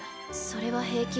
それは平気。